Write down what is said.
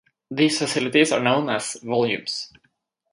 These facilities are known as "volumes".